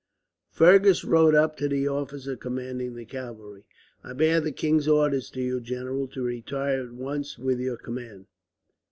Fergus rode up to the officer commanding the cavalry. "I bear the king's orders to you, general, to retire at once with your command."